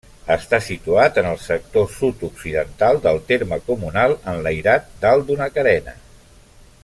Està situat en el sector sud-occidental del terme comunal, enlairat dalt d'una carena.